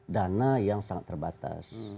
dana yang sangat terbatas